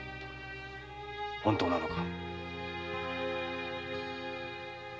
本当なのか？